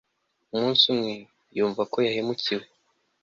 Umunsi umwe yumva ko yahemukiwe